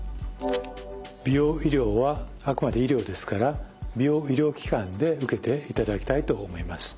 美容医療はあくまで医療ですから美容医療機関で受けていただきたいと思います。